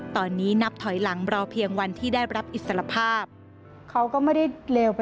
ตอนนี้นับถอยหลังรอเพียงวันที่ได้รับอิสระภาพ